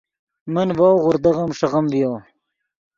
من ڤؤ غوردغیم ݰیغیم ڤیو